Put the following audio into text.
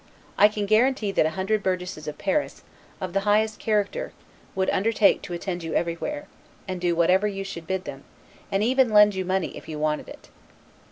I can guarantee that a hundred burgesses of Paris, of the highest character, would undertake to attend you everywhere, and do whatever you should bid them, and even lend you money if you wanted it."